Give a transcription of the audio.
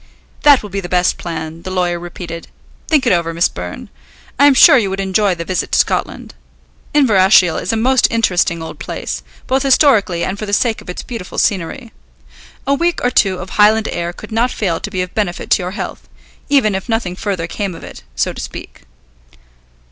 "That will be the best plan," the lawyer repeated. "Think it over, Miss Byrne. I am sure you would enjoy the visit to Scotland. Inverashiel is a most interesting old place, both historically and for the sake of its beautiful scenery. A week or two of Highland air could not fail to be of benefit to your health, even if nothing further came of it, so to speak."